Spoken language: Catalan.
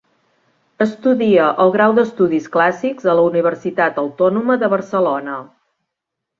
Estudia el grau d'Estudis Clàssics a la Universitat Autònoma de Barcelona.